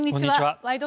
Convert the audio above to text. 「ワイド！